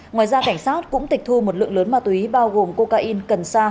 ngoài ra cảnh sát cũng tịch thu một lượng lớn ma túy bao gồm cocaine cần sa